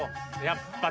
やっぱ。